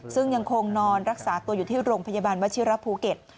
ซึ่งยังคงนอนรักษาตัวอยู่ที่โรงพยาบาลวชิระภูเก็ต